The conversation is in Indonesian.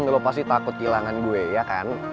dulu pasti takut kehilangan gue ya kan